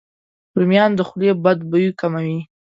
رومیان د خولې بد بوی کموي.